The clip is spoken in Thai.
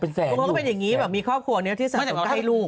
อ๋อเป็นแสนอยู่มีครอบครัวเนี่ยที่สะสมใกล้ลูก